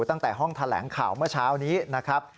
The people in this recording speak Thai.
ตั้งแต่ห้องแถลงข่าวเมื่อเช้านี้นะครับ